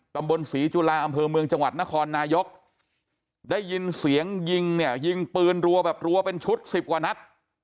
ตำบลศรีจุฬาอำเภอเมืองจังหวัดนครนายกได้ยินเสียงยิงเนี่ยยิงปืนรัวแบบรัวเป็นชุดสิบกว่านัด